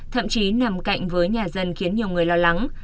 thậm chí nằm cạnh với nhà dân khiến nhiều người lo lắng